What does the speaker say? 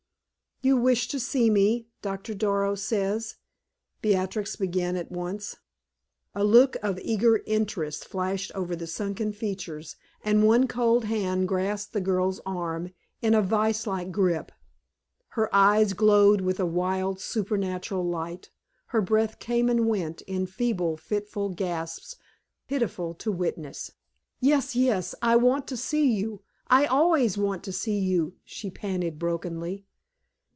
"You wished to see me, Doctor Darrow says," Beatrix began at once. A look of eager interest flashed over the sunken features, and one cold hand grasped the girl's arm in a vise like grip. Her eyes glowed with a wild, supernatural light, her breath came and went in feeble, fitful gasps pitiful to witness. "Yes yes; I want to see you. I always want to see you," she panted, brokenly.